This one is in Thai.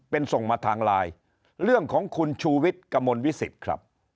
เป็นส่งมาทางไลน์เรื่องของคุณชูวิทย์กระมวลวิสิตครับ